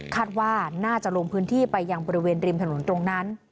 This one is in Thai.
คาดว่าน่าจะลงพื้นที่ไปยังบริเวณริมถนนตรงนั้น